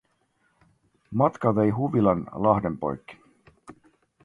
Matka vei huvilan lahden poikki.